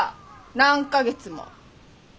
何か月も。